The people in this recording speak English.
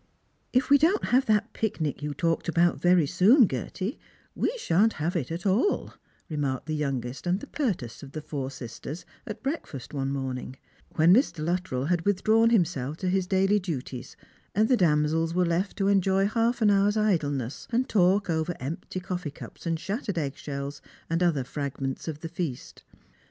"If we don't have that picnic you talked about very soon, Gerty, we shan't have it at all," remarked the youngest and the pertest of the four sisters at breakfast one _ morning, when Mr. Luttrell had mthdrawn himself to his daily duties, and the damsels were left to enjoy half an hour's idleness and talk over empty coffee cups and shattered eggshells and other fragments of the feast.